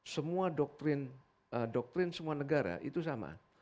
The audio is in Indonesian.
semua doktrin semua negara itu sama